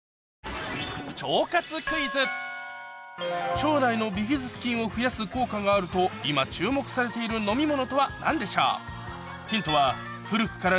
腸内のビフィズス菌を増やす効果があると今注目されている飲み物とは何でしょう？